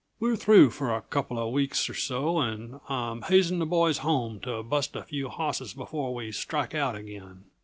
We're through for a couple uh weeks or so, and I'm hazing the boys home to bust a few hosses before we strike out again.